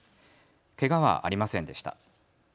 けがはありませんでした。